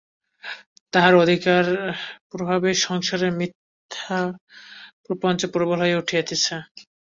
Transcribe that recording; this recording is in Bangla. তাহার অধিকারপ্রভাবেই সংসারে মিথ্যাপ্রপঞ্চ প্রবল হইয়া উঠিতেছে।